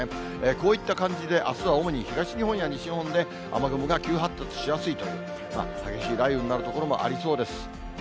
こういった感じで、あすは主に東日本や西日本で雨雲が急発達しやすいという、激しい雷雨になる所もありそうです。